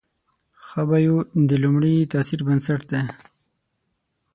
ښه بایو د لومړي تاثر بنسټ دی.